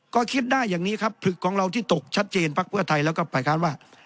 ก็คิดได้อย่างนี้ครับผลึกของเราที่ตกชัดเจนภักดิ์เพื่อไทยแล้วก็ฝ่ายค้านว่า